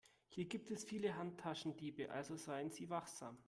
Hier gibt es viele Handtaschendiebe, also seien Sie wachsam.